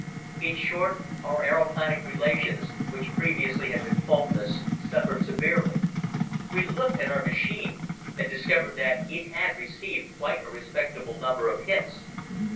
In short our aeroplanic relations, which previously had been faultless, suffered severely. We looked at our machine and discovered that it had received quite a respectable number of hits.